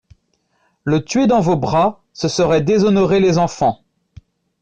Le tuer dans vos bras, ce serait déshonorer les enfants.